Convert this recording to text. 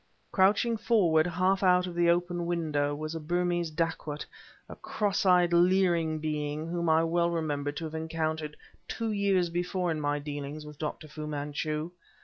Crouching forward half out of the open window was a Burmese dacoit, a cross eyed, leering being whom I well remembered to have encountered two years before in my dealings with Dr. Fu Manchu.